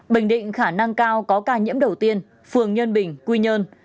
bình định khả năng cao có ca nhiễm đầu tiên phường nhân bình quy nhơn